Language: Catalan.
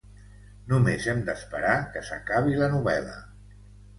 Només hem d'esperar que s'acabi la novel·la.